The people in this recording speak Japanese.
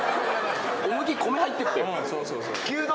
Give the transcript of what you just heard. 思いっ切り米入ってっぺ。